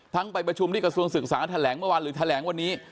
ไปประชุมที่กระทรวงศึกษาแถลงเมื่อวานหรือแถลงวันนี้